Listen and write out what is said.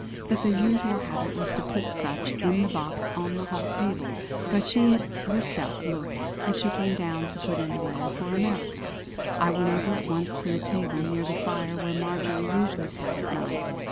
that the usual habit was to put such in the box on the hall table, but she had herself, looked, when she came down to put in a letter for America. I went over at once to the table near the fire where Marjory usually sat at night.